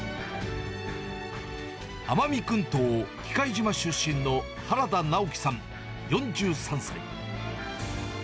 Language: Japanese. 奄美群島・喜界島出身の原田尚樹さん４３歳。